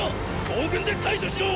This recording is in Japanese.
後軍で対処しろ！